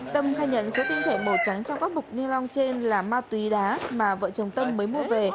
tâm khai nhận số tinh thể màu trắng trong các bục ni lông trên là ma túy đá mà vợ chồng tâm mới mua về